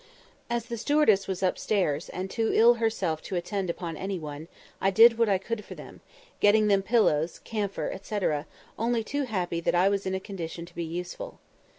As the stewardess was upstairs, and too ill herself to attend upon any one, I did what I could for them, getting them pillows, camphor, &c., only too happy that I was in a condition to be useful.